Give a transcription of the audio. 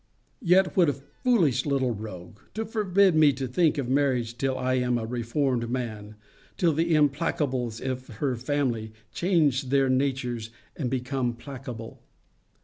Yet, a foolish little rogue! to forbid me to think of marriage till I am a reformed man! Till the implacables of her family change their natures, and become placable!